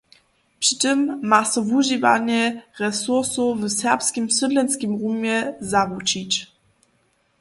Při tym ma so wužiwanje resursow w serbskim sydlenskim rumje zaručić.